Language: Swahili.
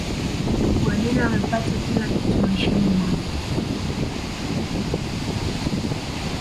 pep guardiola amepata kila kitu maishani mwake